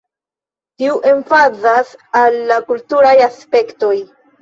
Tiu emfazas al la kulturaj aspektoj.